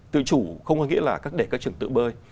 tự chủ không có nghĩa là để các trường tự bơi